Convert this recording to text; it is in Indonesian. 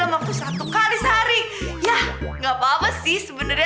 asik asik asik asik